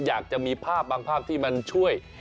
อยากจะมีภาพบางภาพที่มันช่วย